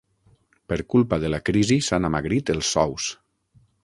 Per culpa de la crisi s'han amagrit els sous.